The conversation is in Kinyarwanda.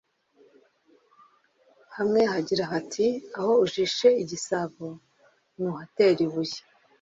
hamwe hagira hati “aho ujishe igisabo ntuhatera ibuye